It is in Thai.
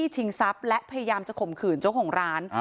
จี้ชิงซับและพยายามจะขกมขุ๋นเจ้าของร้าน